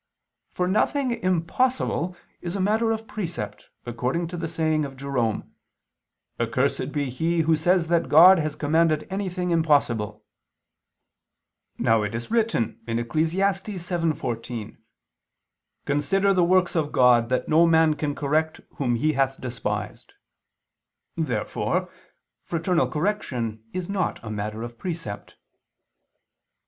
For nothing impossible is a matter of precept, according to the saying of Jerome [*Pelagius, Expos. Symb. ad Damas]: "Accursed be he who says that God has commanded anything impossible." Now it is written (Eccles. 7:14): "Consider the works of God, that no man can correct whom He hath despised." Therefore fraternal correction is not a matter of precept.